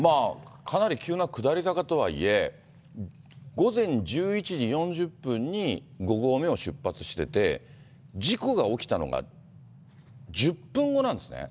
かなり急な下り坂とはいえ、午前１１時４０分に５合目を出発してて、事故が起きたのが１０分後なんですね。